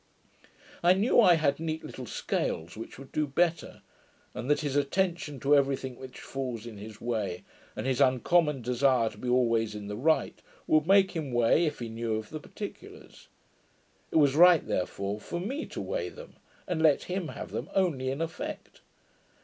I knew I had neat little scales, which would do better; and that his attention to every thing which falls in his way, and his uncommon desire to be always in the right, would make him weigh, if he knew of the particulars: it was right therefore for me to weigh them, and let him have them only in effect.